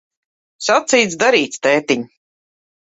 Sacīts, darīts, tētiņ.